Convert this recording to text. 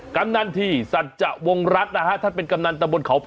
กำนันต์ที่สัตว์วงรัฐนะฮะถ้าเป็นกำนันต์